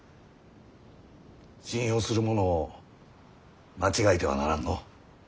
信用する者を間違えてはならんのう。